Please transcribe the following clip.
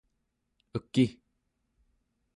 eki!